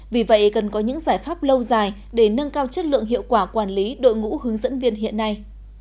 vì vậy cần có những giải pháp lâu dài để nâng cao chất lượng hiệu quả quản lý đội ngũ hướng dẫn viên hiện nay